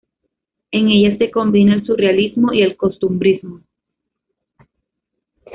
En ellas se combina el surrealismo y el costumbrismo.